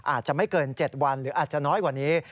อาจจะไม่เกิน๗วันหรืออาจจะน้อยกว่านี้